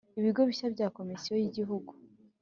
Ibigo bishya bya Komisiyo y Igihugu